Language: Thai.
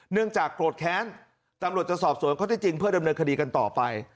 จากโกรธแค้นตำรวจจะสอบสวนข้อที่จริงเพื่อดำเนินคดีกันต่อไป